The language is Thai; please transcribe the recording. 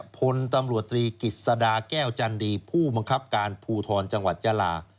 พลตำรวจตรีกิจสดาแก้วจันดีผู้บังคับการภูทรจังหวัดยาลา